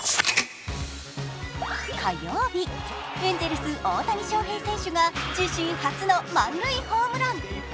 火曜日、エンゼルス・大谷翔平選手が自身初の満塁ホームラン。